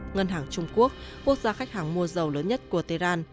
ngân hàng trung quốc quốc gia khách hàng mua dầu lớn nhất của tehran